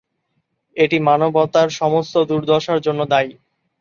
এটি মানবতার সমস্ত দুর্দশার জন্য দায়ী।